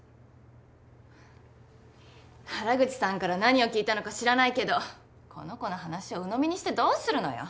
原口さんから何を聞いたのか知らないけどこの子の話をうのみにしてどうするのよ！